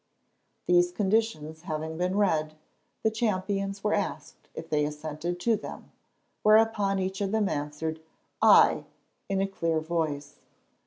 These conditions having been read, the champions were asked if they assented to them, whereon each of them answered, "Aye!" in a clear voice.